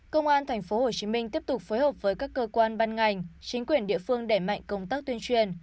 công an tp hcm tiếp tục phối hợp với các cơ quan ban ngành chính quyền địa phương đẩy mạnh công tác tuyên truyền